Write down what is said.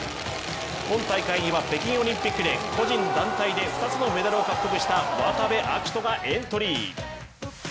今大会には北京オリンピックで個人・団体で２つのメダルを獲得した渡部暁斗がエントリー。